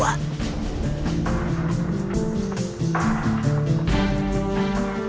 oh gadis ini